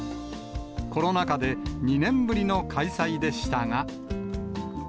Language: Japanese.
コロナ禍で２年ぶりの開催でしたが。